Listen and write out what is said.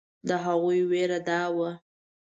د هغوی وېره دا وه.